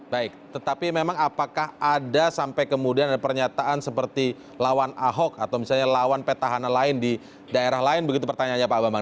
baik tetapi memang apakah ada sampai kemudian ada pernyataan seperti lawan ahok atau misalnya lawan petahana lain di daerah lain begitu pertanyaannya pak bambang